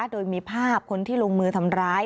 โดยมีภาพคนที่ลงมือทำร้าย